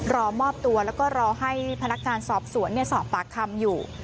รอมอบตัวแล้วก็รอให้พนักงานสอบสวนสอบปากคำอยู่